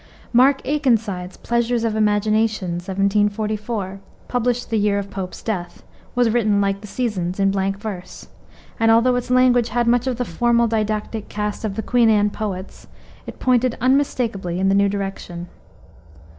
Mark Akenside's Pleasures of Imagination, 1744, published the year of Pope's death, was written like the Seasons, in blank verse; and although its language had much of the formal, didactic cast of the Queen Anne poets, it pointed unmistakably in the new direction.